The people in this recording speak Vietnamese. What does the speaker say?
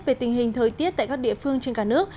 về tình hình thời tiết tại các địa phương trên cả nước